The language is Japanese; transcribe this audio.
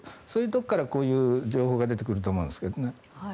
そういうところからこのような情報が出てくると思うんですけどね。